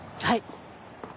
はい。